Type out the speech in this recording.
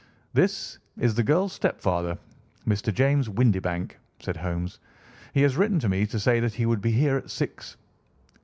"This is the girl's stepfather, Mr. James Windibank," said Holmes. "He has written to me to say that he would be here at six.